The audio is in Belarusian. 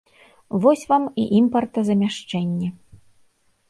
Вось вам і імпартазамяшчэнне!